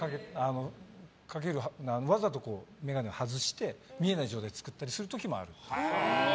わざと眼鏡を外して見えない状態を作ったりすることもある。